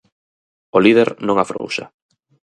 O líder non afrouxa.